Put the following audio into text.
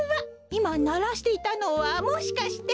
いまならしていたのはもしかして。